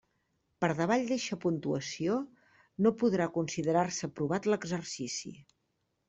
Per davall d'eixa puntuació no podrà considerar-se aprovat l'exercici.